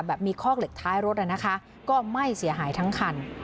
แบบมีคอกเหล็กท้ายรถนะคะก็ไหม้เสียหายทั้งคัน